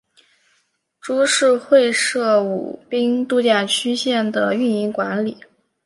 株式会社舞滨度假区线的营运管理。